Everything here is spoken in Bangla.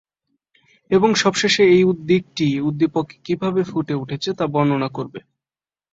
এবং সবশেষে এই দিকটি উদ্দীপকে কীভাবে ফুটে উঠেছে তা বর্ণনা করবে।